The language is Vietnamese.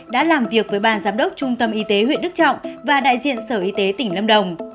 đã làm việc với ban giám đốc trung tâm y tế huyện đức trọng và đại diện sở y tế tỉnh lâm đồng